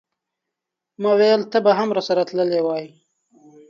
ماویل ته به هم راسره تللی وای.